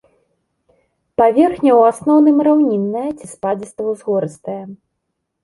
Паверхня ў асноўным раўнінная ці спадзіста-ўзгорыстая.